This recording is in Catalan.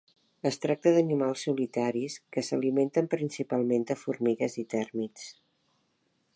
Es tracta d'animals solitaris que s'alimenten principalment de formigues i tèrmits.